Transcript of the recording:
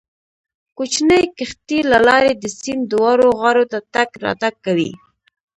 کوچنۍ کښتۍ له لارې د سیند دواړو غاړو ته تګ راتګ کوي